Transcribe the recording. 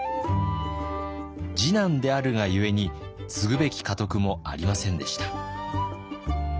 次男であるがゆえに継ぐべき家督もありませんでした。